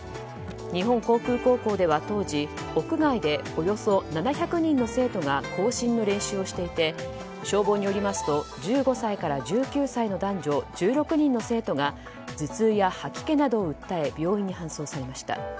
日本航空高校では当時、屋外でおよそ７００人の生徒が行進の練習をしていて消防によりますと、１５歳から１９歳の男女１６人の生徒が頭痛や吐き気などを訴え病院に搬送されました。